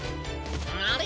あれ？